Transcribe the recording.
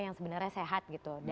yang sebenarnya sehat